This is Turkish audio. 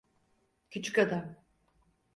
Küçük adam.